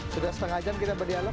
sudah setengah jam kita berdialog